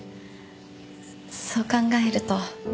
そう考えると。